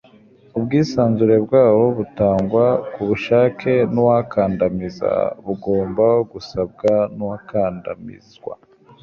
ubwisanzure ntabwo butangwa kubushake nuwakandamiza; bigomba gusabwa n'abakandamizwa